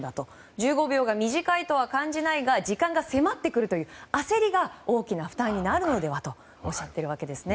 １５秒が短いとは感じないが時間が迫ってくるという焦りが大きな負担になるのではとおっしゃっています。